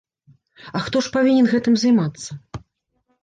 А хто ж павінен гэтым займацца?